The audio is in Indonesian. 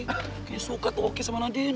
kayaknya suka tuh oki sama nadin